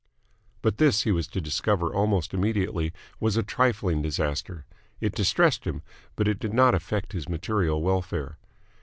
But this, he was to discover almost immediately, was a trifling disaster. It distressed him, but it did not affect his material welfare.